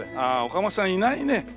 ああ岡本さんいないね。